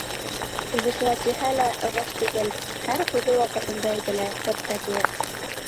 Үҙе шулай тиһә лә, ығыш түгел: һәр һүҙе ваҡытында әйтелә, сәпкә тейә.